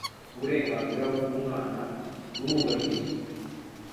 Uburenganzira bw’umwana burubahirizwa